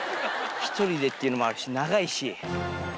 １人でっていうのもあるし長いし。